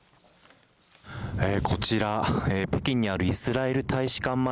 こちら、北京にあるイスラエル大使館前。